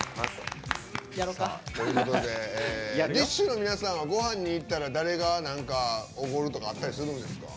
ＤＩＳＨ／／の皆さんはごはんに行ったら誰がおごるとかあったりするんですか？